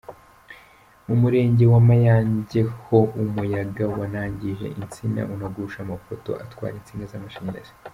Mu murenge wa Mayange ho umuyaga wanangije insina, unagusha amapoto atwara insinga z’amashanyarazi.